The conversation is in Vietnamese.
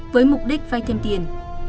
với mục đích phai thêm tiền